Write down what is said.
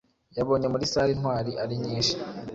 Yabonye muri salle intwari ari nyinshi